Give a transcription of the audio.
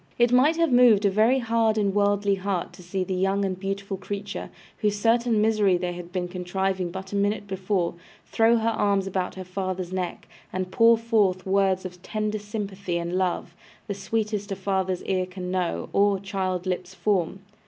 It might have moved a very hard and worldly heart to see the young and beautiful creature, whose certain misery they had been contriving but a minute before, throw her arms about her father's neck, and pour forth words of tender sympathy and love, the sweetest a father's ear can know, or child's lips form.